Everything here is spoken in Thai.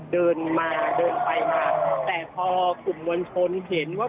เดินมาเดินไปมาแต่พอกลุ่มมวลชนเห็นว่า